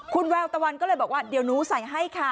คุณแววตะวันก็เลยบอกว่าเดี๋ยวหนูใส่ให้ค่ะ